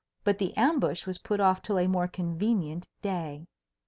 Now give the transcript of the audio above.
But the ambush was put off till a more convenient day.